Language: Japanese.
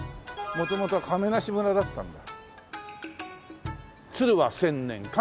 元々は亀無村だったんだ。